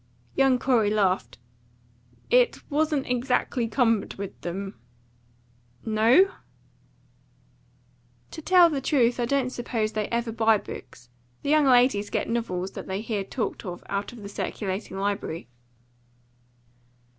Young Corey laughed. "It wasn't exactly cumbered with them." "No?" "To tell the truth, I don't suppose they ever buy books. The young ladies get novels that they hear talked of out of the circulating library."